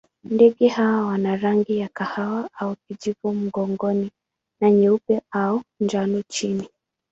Ndege hawa wana rangi ya kahawa au kijivu mgongoni na nyeupe au njano chini.